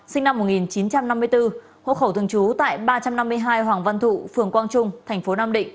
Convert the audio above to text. sinh năm một nghìn chín trăm năm mươi bốn hộ khẩu thường trú tại ba trăm năm mươi hai hoàng văn thụ phường quang trung thành phố nam định